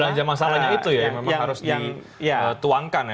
belanja masalahnya itu ya yang memang harus dituangkan ya